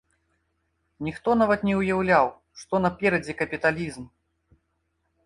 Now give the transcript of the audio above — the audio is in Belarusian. Ніхто нават не ўяўляў, што наперадзе капіталізм!